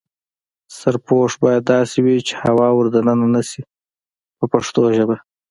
سرپوښ باید داسې وي چې هوا ور دننه نشي په پښتو ژبه.